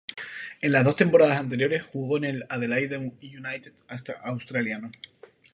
En las dos temporadas anteriores jugó en el Adelaide United australiano.